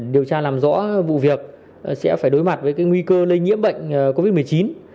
điều tra làm rõ vụ việc sẽ phải đối mặt với nguy cơ lây nhiễm bệnh covid một mươi chín